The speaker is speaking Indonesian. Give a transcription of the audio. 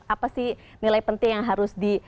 apa sih nilai penting yang harus di